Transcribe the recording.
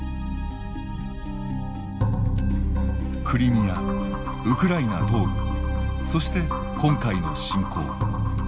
クリミア、ウクライナ東部そして今回の侵攻。